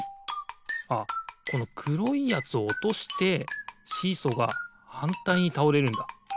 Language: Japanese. あっこのくろいやつをおとしてシーソーがはんたいにたおれるんだ。